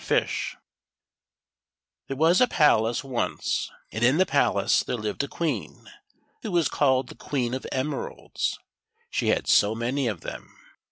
f^^"~, j_ i HERE was a palace once, and in the Trr— _, palace there lived a queen, who was called the Queen of t^mcralds, she had so many of them.